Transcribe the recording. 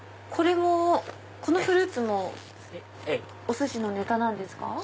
このフルーツもお寿司のネタなんですか？